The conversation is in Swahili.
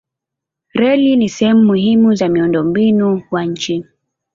Reli ni sehemu muhimu za miundombinu wa nchi.